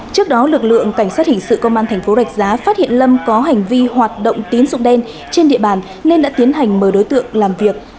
trước đó lực lượng cảnh sát hình sự công an thành phố rạch giá phát hiện lâm có hành vi hoạt động tín sụng đen trên địa bàn nên đã tiến hành mời đối tượng làm việc